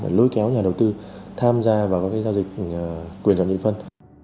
để lôi kéo nhà đầu tư tham gia vào các giao dịch quyền chuẩn địa phân